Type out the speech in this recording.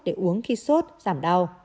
để uống khi sốt giảm đau